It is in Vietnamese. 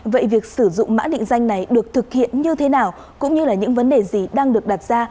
vậy việc sử dụng mã định danh này được thực hiện như thế nào cũng như là những vấn đề gì đang được đặt ra